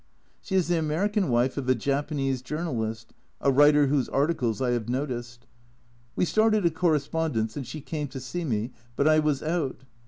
She is the American wife of a Japanese journalist a writer whose articles I have noticed. We started a corre A Journal from Japan 241 spondence, and she came to see me, but I was out.